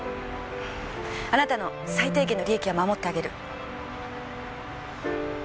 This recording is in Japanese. あなたの最低限の利益は守ってあげる。